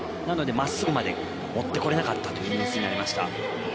まっすぐまで持ってこれなかったという入水になりました。